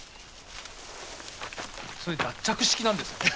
それ脱着式なんですね。